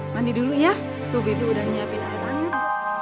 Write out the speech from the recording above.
mandi dulu ya tuh bebi udah nyiapin air hangan